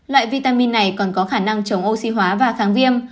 loại vitamin này còn có khả năng chống oxy hóa và kháng viêm